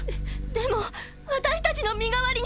でも私たちの身代わりに。